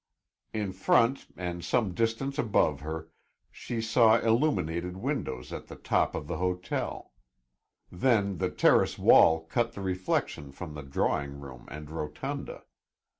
In front and some distance above her, she saw illuminated windows at the top of the hotel; then the terrace wall cut the reflection from the drawing room and rotunda.